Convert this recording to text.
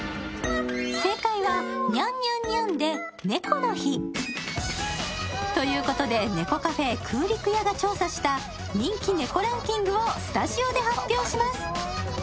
正解はニャン・ニャン・ニャンで猫の日。ということで、猫カフェ空陸家が調査した人気猫ランキングを紹介します。